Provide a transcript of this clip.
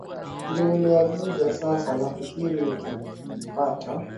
ndio nimeagiza sasa nafikiri nikivipata